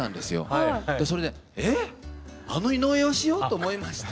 それで「えっ？あの井上芳雄？」と思いまして。